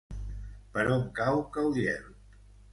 Per on cau Caudiel?